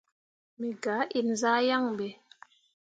Me gah inzah yaŋ ɓe.